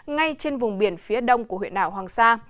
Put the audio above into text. ngay trên vùng biển phía đông của huyện đảo hoàng sa